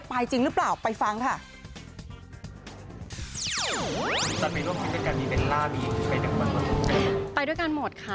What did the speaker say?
จริงหรือเปล่าไปฟังค่ะ